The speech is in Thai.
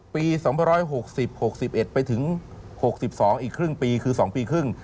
ปี๒๖๐๖๑ไปถึง๖๒อีกครึ่งปีคือ๒ปีครึ่ง